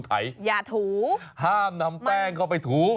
ห้ามนำแต้งเข้าไปถู